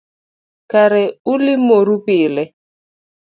Kare ulimoru pile